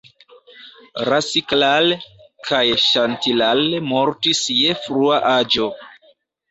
Rasiklal kaj Ŝantilal mortis je frua aĝo.